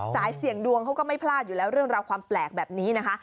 เสี่ยงดวงเขาก็ไม่พลาดอยู่แล้วเรื่องราวความแปลกแบบนี้นะคะ